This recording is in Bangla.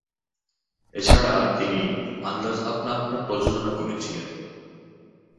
এছাড়া, তিনি "আন্দাজ আপনা আপনা" প্রযোজনা করেছিলেন।